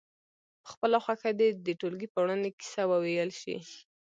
په خپله خوښه دې د ټولګي په وړاندې کیسه وویل شي.